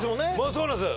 そうなんです